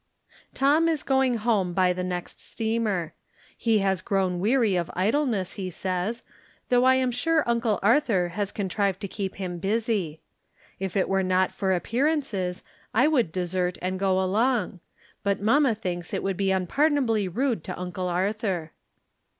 Tom is going home by the next steamer. He has grown weary of idleness, he says ; though I am siure Uncle Arthur has contrived to keep him busy. If it were not for appearances I would desert and go along ; but mamma thinks it would be unpardonably rude to Uncle Arthur.